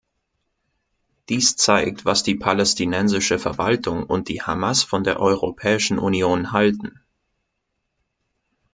Dies zeigt, was die palästinensische Verwaltung und die Hamas von der Europäischen Union halten.